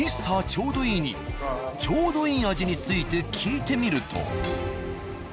ちょうどいいにちょうどいい味について聞いてみると。